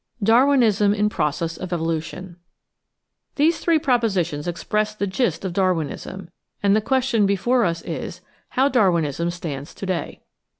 Darwinism in Process of Evolution These three propositions express the gist of Darwinism, and the question before us is, How Darwiimm stands to day.